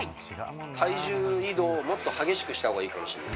体重移動をもっと激しくしたほうがいいかもしれません。